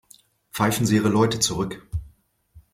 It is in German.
Pfeifen Sie Ihre Leute zurück.